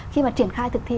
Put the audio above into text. khi mà triển khai thực thi